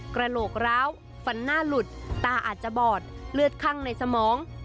กระโหลกร้าวฟันหน้าหลุดตาอาจจะบอดเลือดคั่งในสมอง